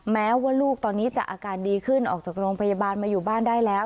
แม้ว่าลูกตอนนี้จะอาการดีขึ้นออกจากโรงพยาบาลมาอยู่บ้านได้แล้ว